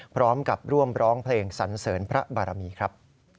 พร้อมกับร่วมร้องเพลงสันเสริญพระบารมีครับ